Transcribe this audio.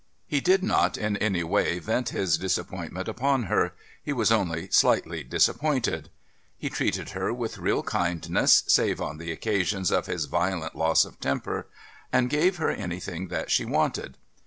He did not in any way vent his disappointment upon, her he was only slightly disappointed. He treated her with real kindness save on the occasions of his violent loss of temper, and gave her anything that she wanted.